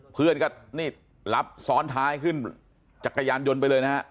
เพื่อนก็นี่รับซ้อนท้ายขึ้นจักรยานยนต์ไปเลยนะฮะ